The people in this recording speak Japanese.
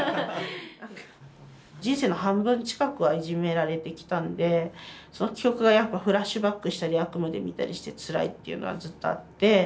人生の半分近くはいじめられてきたんでその記憶がやっぱフラッシュバックしたり悪夢で見たりしてつらいっていうのはずっとあって。